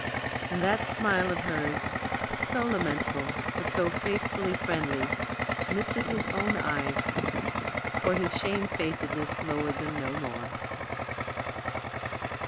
And that smile of hers, so lamentable, but so faithfully friendly, misted his own eyes, for his shamefacedness lowered them no more.